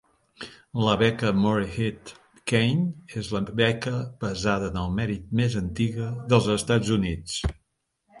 La beca Morehead-Cain és la beca basada en el mèrit més antiga dels Estats Units.